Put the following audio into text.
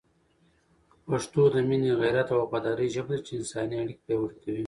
پښتو د مینې، غیرت او وفادارۍ ژبه ده چي انساني اړیکي پیاوړې کوي.